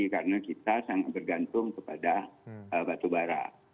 karena kita sangat bergantung kepada batubara